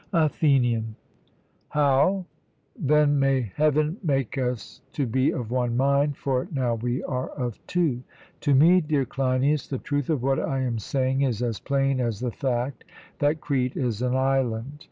ATHENIAN: How! Then may Heaven make us to be of one mind, for now we are of two. To me, dear Cleinias, the truth of what I am saying is as plain as the fact that Crete is an island.